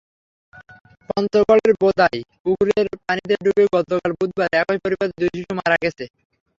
পঞ্চগড়ের বোদায় পুকুরের পানিতে ডুবে গতকাল বুধবার একই পরিবারের দুই শিশু মারা গেছে।